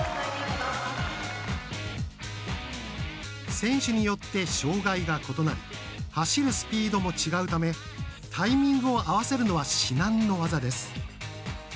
選手によって障がいが異なり走るスピードも違うためタイミングを合わせるのは至難の業です。